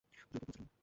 দ্রুত পা চালাও!